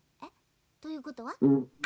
ということは？